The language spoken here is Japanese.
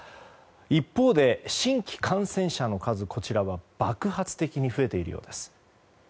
一方で、新規感染者の数は爆発的に増えているようです。